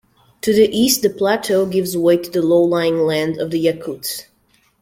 To the east the plateau gives way to the low-lying land of the Yakuts.